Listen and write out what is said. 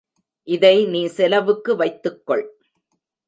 இதை நீ செலவுக்கு வைத்துக் கொள்.